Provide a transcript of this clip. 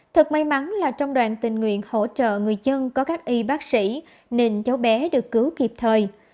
thật may mắn là trong đoàn tình nguyện hỗ trợ người dân có các y bác sĩ nên cháu bé được cứu kịp thời